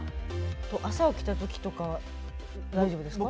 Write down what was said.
朝起きたときとか大丈夫ですか？